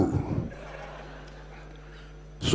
siang udah tahu